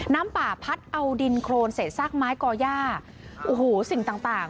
น้ำป่าพัดเอาดินโครนเศษซากไม้ก่อย่าโอ้โหสิ่งต่างต่าง